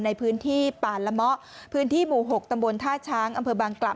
ในพื้นที่ป่านละเมาะพื้นที่หมู่๖ตธาช้างอบางกลับ